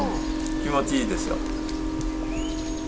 気持ちいいでしょ。